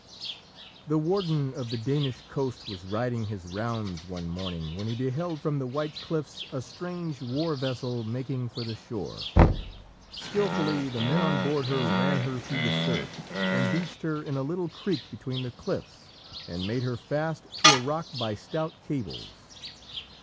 The warden of the Danish coast was riding his rounds one morning when he beheld from the white cliffs a strange war vessel making for the shore. Skilfully the men on board her ran her through the surf, and beached her in a little creek between the cliffs, and made her fast to a rock by stout cables.